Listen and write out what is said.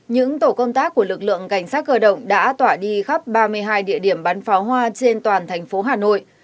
những tổ công tác của lực lượng cảnh sát cơ động đã tỏa đi khắp ba mươi hai địa điểm bắn pháo hoa trên toàn thành phố hà nội